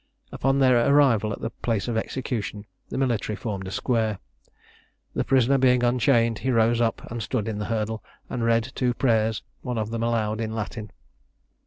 Upon their arrival at the place of execution, the military formed a square. The prisoner being unchained, he rose up and stood in the hurdle, and read two prayers, one of them aloud in Latin.